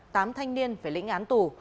tám thanh niên phải lĩnh án tù